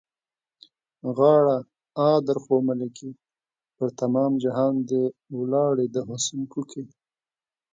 غاړه؛ آ، درخو ملکې! پر تمام جهان دې ولاړې د حُسن کوکې.